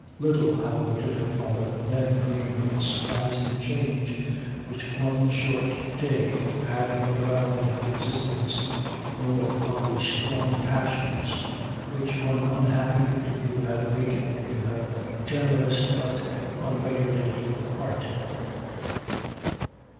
Little, however, did her father then dream of the surprising change which one short day had brought about in her existence, nor of the strong passions which one unhappy interview had awakened in her generous but unregulated heart.